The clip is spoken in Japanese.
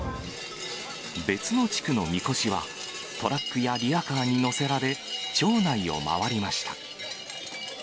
別の地区のみこしは、トラックやリヤカーに載せられ、町内を回りました。